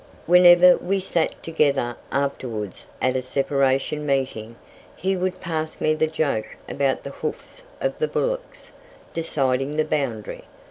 Whenever we sat together afterwards at a separation meeting, he would pass me the joke about the "hoofs of the bullocks" deciding the boundary.